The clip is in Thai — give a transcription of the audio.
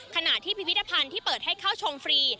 ขณะที่พิพิธภัณฑ์ที่เปิดให้เข้าชมฟรี